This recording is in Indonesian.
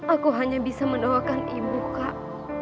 aku hanya bisa mendoakan ibu kak